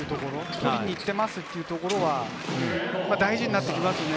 取りに行っていますというところは大事になってきますよね。